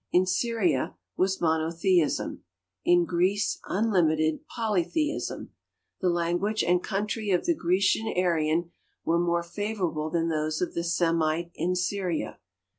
In Syria was monotheism, in Greece unlimited polytheism. The language and coun try of the Grecian Aryan were more favorable than those of the Semite in Syria.